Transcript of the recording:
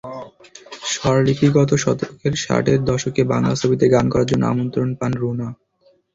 স্বরলিপিগত শতকের ষাটের দশকে বাংলা ছবিতে গান করার জন্য আমন্ত্রণ পান রুনা।